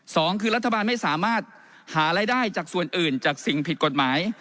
สองคือรัฐบาลไม่สามารถหารายได้จากส่วนอื่นจากสิ่งผิดกฎหมาย